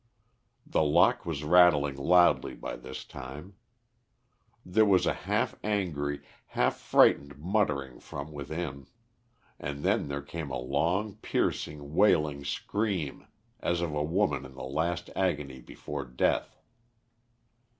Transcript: The lock was rattling loudly by this time; there was a half angry, half frightened muttering from within. And then there came a long, piercing, wailing scream, as of a woman in the last agony before death.